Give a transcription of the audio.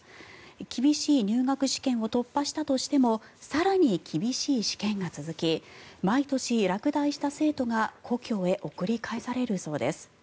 厳しい入学試験を突破したとしても更に厳しい試験が続き毎年落第した生徒が故郷へ送り返されるそうです。